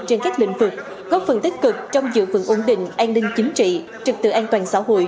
trên các lĩnh vực góp phần tích cực trong giữ vững ổn định an ninh chính trị trực tự an toàn xã hội